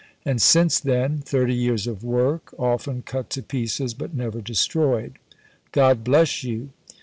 And since then, 30 years of work often cut to pieces but never destroyed. God bless you!